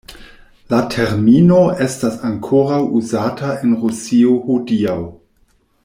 La termino estas ankoraŭ uzata en Rusio hodiaŭ.